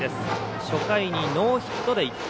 初回にノーヒットで１点。